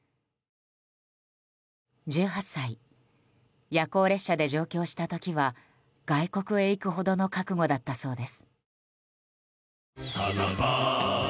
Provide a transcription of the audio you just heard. １８歳、夜行列車で上京した時は外国へ行くほどの覚悟だったそうです。